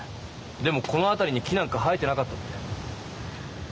でもこのあたりに木なんか生えてなかったって。